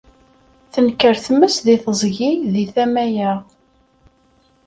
Tenker tmes deg teẓgi, deg tama-a.